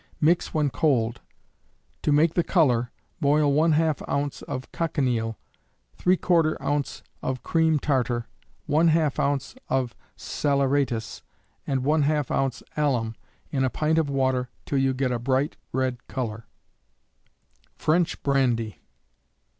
Mix when cold. To make the color, boil ½ ounce of cochineal, ¾ ounce of cream tartar, ½ ounce of saleratus, and ½ ounce alum in a pint of water till you get a bright red color. _French Brandy.